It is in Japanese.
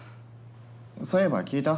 そういえば聞いた？